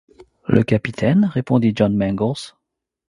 Le capitaine? répondit John Mangles.